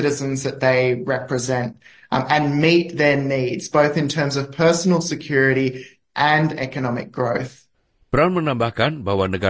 peran menambahkan bahwa negara negara yang diperkenalkan